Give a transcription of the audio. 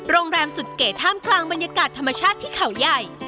โรงแรมสุดเก๋ท่ามกลางบรรยากาศธรรมชาติที่เขาใหญ่